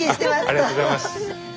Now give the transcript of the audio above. ありがとうございます。